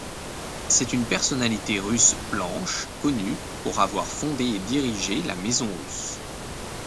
C'est une personnalité russe blanche connue pour avoir fondé et dirigé la Maison russe.